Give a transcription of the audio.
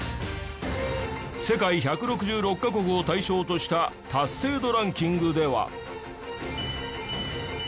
世界１６６カ国を対象とした達成度ランキングでは。